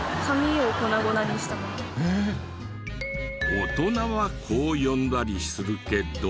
大人はこう呼んだりするけど。